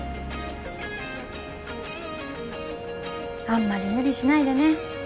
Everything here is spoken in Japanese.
あんまり無理しないでね。